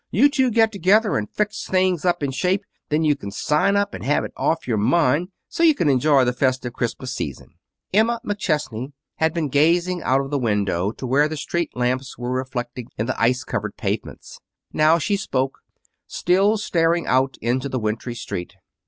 "You two get together and fix things up in shape; then you can sign up and have it off your mind so you can enjoy the festive Christmas season." Emma McChesney had been gazing out of the window to where the street lamps were reflected in the ice covered pavements. Now she spoke, still staring out upon the wintry street.